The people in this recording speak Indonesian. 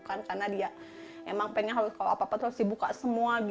karena dia memang ingin kalau apa apa harus dibuka semua